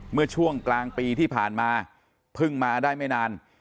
เมื่อช่วงกลางปีที่ผ่านมาเพิ่งมาได้ไม่นาน